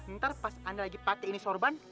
ntar pas anda lagi pakai ini sorban